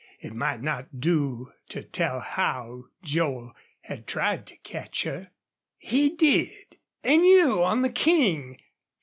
It might not do to tell how Joel had tried to catch her. "He did? An' you on the King!"